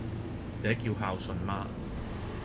這叫孝順嗎？